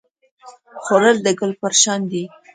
خوړل د ګل پر شان دی